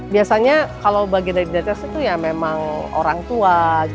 biasanya bagian dari identitas itu orang tua